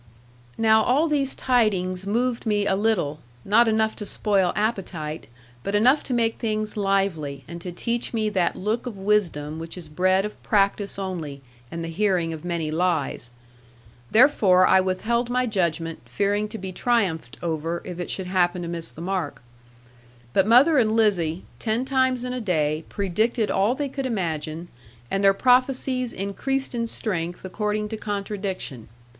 Now all these tidings moved me a little; not enough to spoil appetite, but enough to make things lively, and to teach me that look of wisdom which is bred of practice only, and the hearing of many lies. Therefore I withheld my judgment, fearing to be triumphed over, if it should happen to miss the mark. But mother and Lizzie, ten times in a day, predicted all they could imagine; and their prophecies increased in strength according to contradiction.